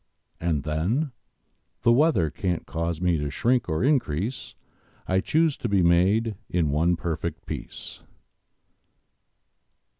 And, then, The weather can't cause me to shrink or increase: I chose to be made in one perfect piece!